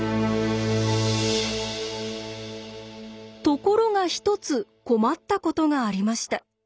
ところが一つ困ったことがありました。